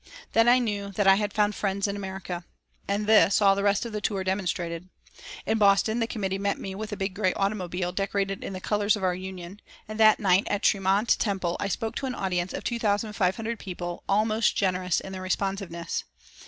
Then I knew that I had found friends in America. And this all the rest of the tour demonstrated. In Boston the committee met me with a big grey automobile decorated in the colours of our Union, and that night at Tremont Temple I spoke to an audience of 2,500 people all most generous in their responsiveness.